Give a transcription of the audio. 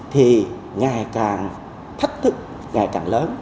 thì ngày càng thách thức ngày càng lớn